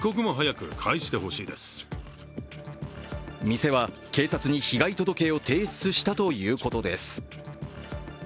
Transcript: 店は警察に被害届を提出したということです。